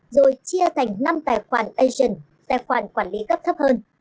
rồi chia thành năm tài khoản asian tài khoản quản lý gấp thấp hơn